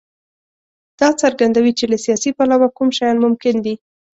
دا څرګندوي چې له سیاسي پلوه کوم شیان ممکن دي.